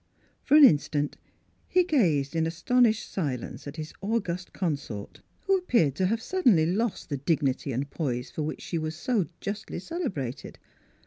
For an instant he gazed in astonished silence at his august consort, who appeared to have suddenly lost the dignity and poise for which she was so justly celebrated.